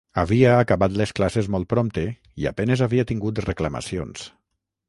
Havia acabat les classes molt prompte i a penes havia tingut reclamacions.